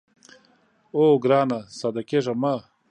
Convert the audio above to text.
اوو ګرانه ساده کېږه مه.